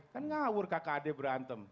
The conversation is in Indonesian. kan ngawur kakak adek berantem